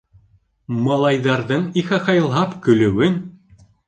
Малайҙарҙың ихахайлап көлөүен